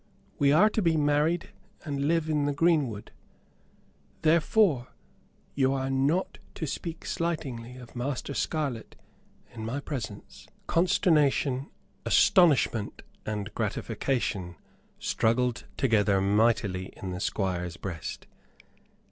We are to be married, and live in the greenwood. Therefore, you are not to speak slightingly of Master Scarlett in my presence." Consternation, astonishment and gratification struggled together mightily in the Squire's breast.